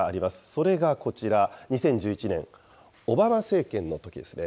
それがこちら、２０１１年、オバマ政権のときですね。